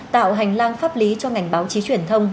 tạo hành lang pháp lý cho ngành báo chí truyền thông